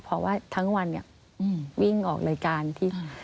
เพราะว่าทั้งวันเนี่ยวิ่งออกรายการที่